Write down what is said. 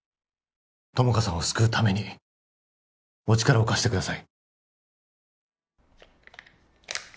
友果さんを救うためにお力を貸してください